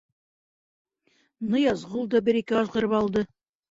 Ныязғол да бер-ике ажғырып алды.